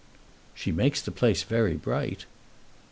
"She makes the place very bright."